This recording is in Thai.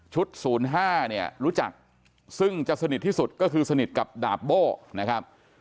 ๐๕เนี่ยรู้จักซึ่งจะสนิทที่สุดก็คือสนิทกับดาบโบ้นะครับ